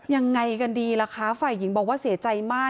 ยังไงกันดีล่ะคะฝ่ายหญิงบอกว่าเสียใจมาก